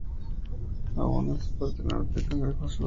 Abunda en su parte norte el cangrejo azul.